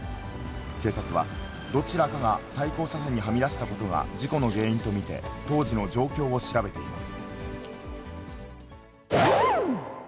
警察は、どちらかが対向車線にはみ出したことが事故の原因と見て、当時の状況を調べています。